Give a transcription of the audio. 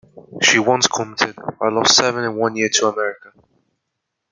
She once commented, I lost seven in one year to America.